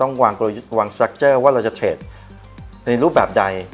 ต้องวางกลยุทธ์ว่าเราจะเทรดในรูปแบบใด